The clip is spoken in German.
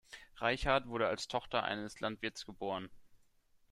Reichhardt wurde als Tochter eines Landwirts geboren.